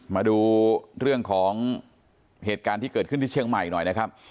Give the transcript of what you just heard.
มาดูเรื่องของเหตุการณ์ที่เกิดขึ้นที่เชียงใหม่หน่อยนะครับ